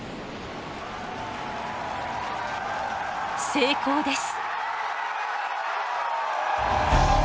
成功です！